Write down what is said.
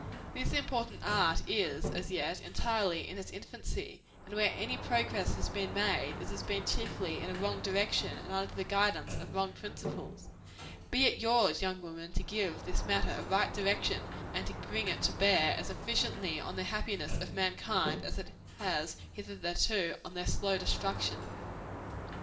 This important art is, as yet, entirely in its infancy; and where any progress has been made, it has been chiefly in a wrong direction, and under the guidance of wrong principles. Be it yours, young women, to give this matter a right direction, and to bring it to bear as efficiently on the happiness of mankind, as it has hitherto on their slow destruction.